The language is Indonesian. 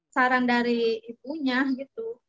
saran dari ibunya gitu